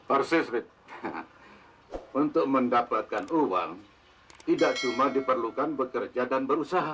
dan bekerja secara terhormat begitu kan pak persis betta untuk mendapatkan uang tidak cuma diperlukan bekerja dan berusaha